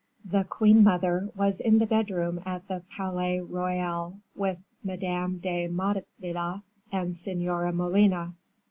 The queen mother was in the bedroom at the Palais Royal, with Madame de Motteville and Senora Molina.